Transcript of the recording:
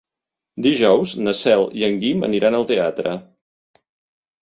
Dijous na Cel i en Guim aniran al teatre.